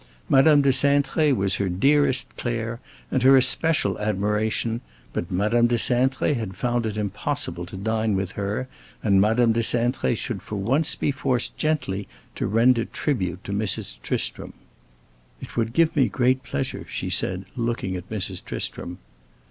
Madame de Cintré was her dearest Claire, and her especial admiration but Madame de Cintré had found it impossible to dine with her and Madame de Cintré should for once be forced gently to render tribute to Mrs. Tristram. "It would give me great pleasure," she said, looking at Mrs. Tristram.